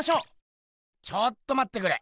ちょっとまってくれ。